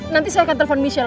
nanti saya akan telepon michelle